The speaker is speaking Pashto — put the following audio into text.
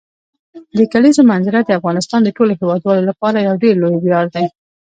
د کلیزو منظره د افغانستان د ټولو هیوادوالو لپاره یو ډېر لوی ویاړ دی.